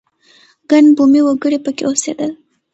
ګڼ بومي وګړي په کې اوسېدل.